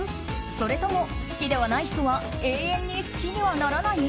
それとも好きではない人は永遠に好きにはならない？